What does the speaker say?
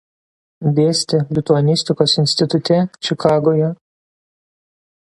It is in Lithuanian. Dėstė Lituanistikos institute Čikagoje.